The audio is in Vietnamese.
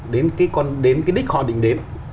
đến cái đích họ định đến